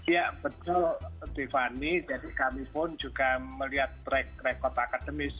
ya betul devani jadi kami pun juga melihat rekod akademis